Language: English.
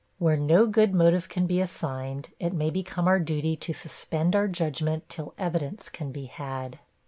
Where no good motive can be assigned, it may become our duty to suspend our judgment till evidence can be had.